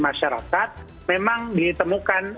masyarakat memang ditemukan